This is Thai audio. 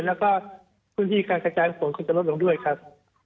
แล้วก็พื้นที่การกระจายฝนคงจะลดลงด้วยครับ